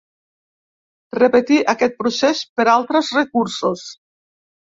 Repetir aquest procés per altres recursos.